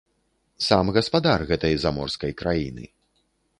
Сам гаспадар гэтай заморскай краіны.